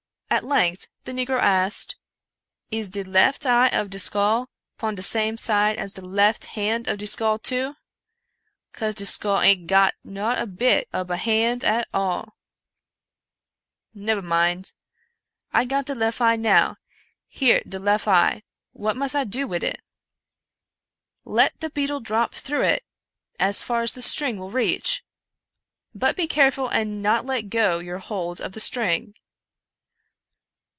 At length the negro asked: *' Is de lef eye of de skull pon de same side as de lef hand of de skull too r — cause de skull aint got not a bit ob a hand at all — nebber mind ! I got de lef eye now — ^here de lef eye ! what mus do wid it ?"" Let the beetle drop through it, as far as the string will reach — but be careful and not let go your hold of the string."